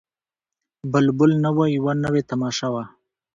بلبل نه وو یوه نوې تماشه وه